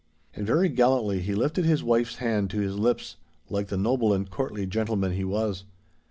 And very gallantly he lifted his wife's hand to his lips, like the noble and courtly gentleman he was.